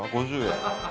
５０円。